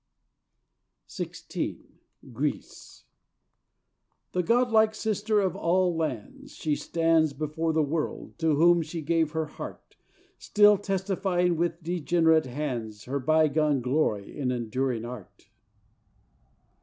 XVI Greece The godlike sister of all lands she stands Before the World, to whom she gave her heart, Still testifying with degenerate hands Her bygone glory in enduring art.